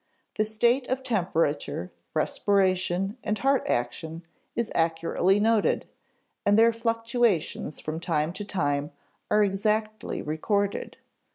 The state of temperature, respiration, and heart action is accurately noted, and their fluctuations from time to time are exactly recorded.